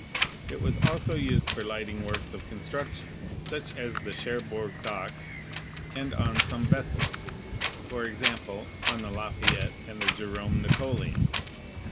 It was also used for lighting works of construction, such as the Cherbourg Docks, and on some vessels, for example, on the Lafayette and the Jerome Napoleon.